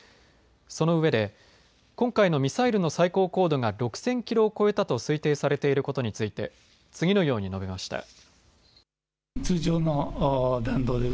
そのうえで今回のミサイルの最高高度が６０００キロを超えたと推定されていることについて次のように述べました。